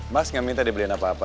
mas gak minta dibeliin apa apa